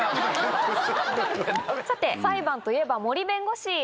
さて裁判といえば森弁護士。